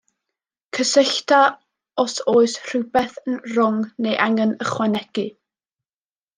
Cysyllta os oes rhywbeth yn rong neu angen ychwanegu.